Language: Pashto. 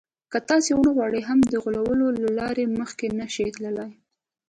که تاسې وغواړئ هم د غولولو له لارې مخکې نه شئ تللای.